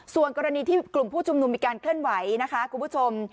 ส่วนกรณีที่กลุ่มผู้ชุมนุมมีการเคลื่อนไหวนะคะคุณผู้ชม